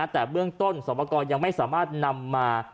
แต่เบื้องต้นสวปกรยังไม่สามารถนำมา